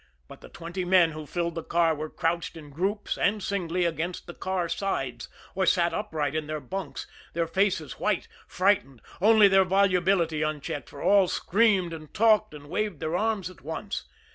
But the twenty men who filled the car were crouched in groups and singly against the car sides; or sat upright in their bunks, their faces white, frightened only their volubility unchecked, for all screamed and talked and waved their arms at once.